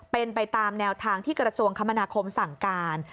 เป็นไปตามแนวทางที่กระทรวงคมนาคมสั่งการ